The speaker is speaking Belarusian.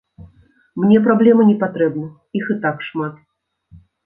Мне праблемы не патрэбны, іх і так шмат.